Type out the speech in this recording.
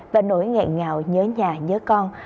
và nổi ngẹn ngào nhớ nhà nhớ con